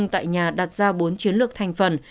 tại nhà đặt ra bốn chiến lược thành phần